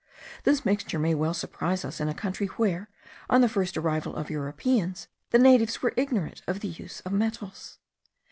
This mixture may well surprise us in a country where, on the first arrival of Europeans, the natives were ignorant of the use of metals.